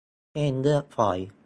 เส้นเลือดฝอย